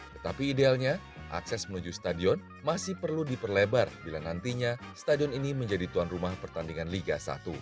tetapi idealnya akses menuju stadion masih perlu diperlebar bila nantinya stadion ini menjadi tuan rumah pertandingan liga satu